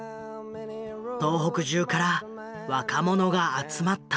東北中から若者が集まった。